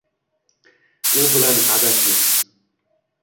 U bilan adashmiz.